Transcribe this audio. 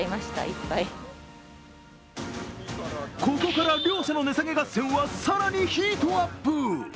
ここから両者の値下げ合戦は更にヒートアップ。